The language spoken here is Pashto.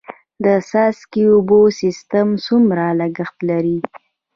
د څاڅکي اوبو سیستم څومره لګښت لري؟